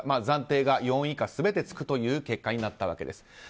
暫定が４位以下全てつくという結果になったわけです。